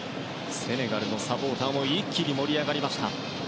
セネガルのサポーターも一気に盛り上がりました。